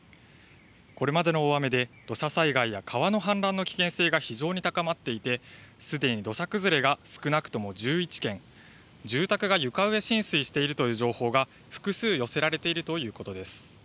これまでの大雨で土砂災害や川の氾濫の危険性が非常に高まっていてすでに土砂崩れが少なくとも１１件、住宅が床上浸水しているという情報が複数寄せられているということです。